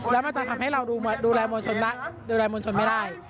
แล้วมันจะทำให้เราดูแลมวลชนไม่ได้